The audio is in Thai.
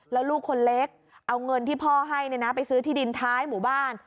แล้วลูกคนเล็กเอาเงินที่พ่อให้ไปซื้อที่ดินท้ายหมู่บ้าน